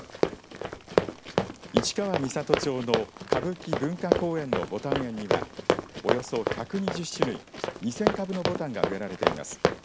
市川三郷町の歌舞伎文化公園のぼたん園にはおよそ１２０種類２０００株のぼたんが植えられています。